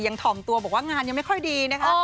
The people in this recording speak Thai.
ถ่อมตัวบอกว่างานยังไม่ค่อยดีนะคะ